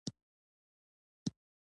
د ورور شهزاده محمود د بغاوت خبر ورسېدی.